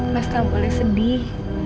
mas tak boleh sedih